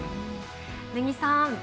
根木さん